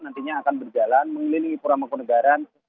nantinya akan berjalan mengilini puramangkode garan